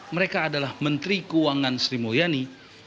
mereka adalah menteri keuangan sri mulyani